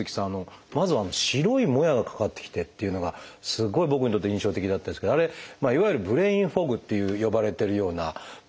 まずは白いもやがかかってきてというのがすごい僕にとって印象的だったんですけどあれいわゆる「ブレインフォグ」って呼ばれてるようなものですよね。